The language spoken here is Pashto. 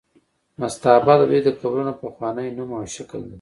مستابه د دوی د قبرونو پخوانی نوم او شکل دی.